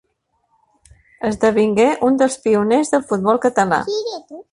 Esdevingué un dels pioners del futbol català.